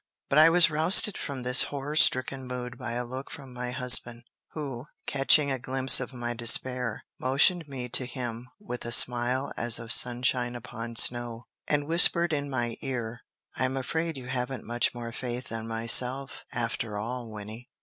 But I was roused from this horror stricken mood by a look from my husband, who, catching a glimpse of my despair, motioned me to him with a smile as of sunshine upon snow, and whispered in my ear, "I'm afraid you haven't much more faith than myself, after all, Wynnie."